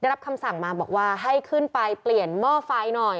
รับคำสั่งมาบอกว่าให้ขึ้นไปเปลี่ยนหม้อไฟหน่อย